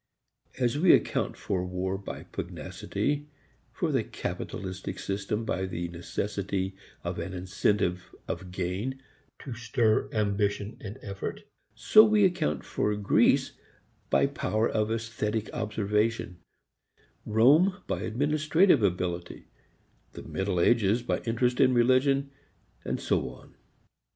As we account for war by pugnacity, for the capitalistic system by the necessity of an incentive of gain to stir ambition and effort, so we account for Greece by power of esthetic observation, Rome by administrative ability, the middle ages by interest in religion and so on.